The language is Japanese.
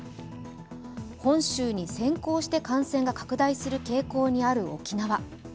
本州に先行して感染が拡大する傾向にある沖縄。